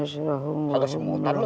saga semutan lo